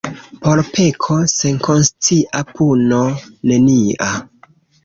Por peko senkonscia puno nenia.